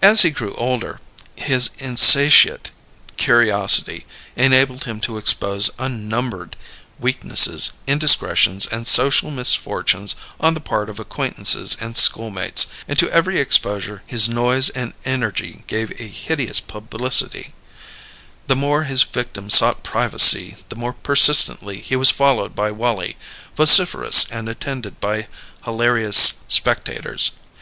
As he grew older, his insatiate curiosity enabled him to expose unnumbered weaknesses, indiscretions, and social misfortunes on the part of acquaintances and schoolmates; and to every exposure his noise and energy gave a hideous publicity: the more his victim sought privacy the more persistently he was followed by Wallie, vociferous and attended by hilarious spectators.